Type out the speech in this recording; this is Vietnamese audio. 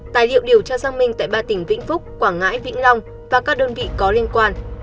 tài liệu điều tra xác minh tại ba tỉnh vĩnh phúc quảng ngãi vĩnh long và các đơn vị có liên quan